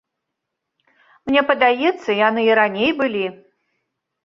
Мне падаецца, яны і раней былі.